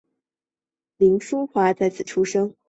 凌叔华在此出生。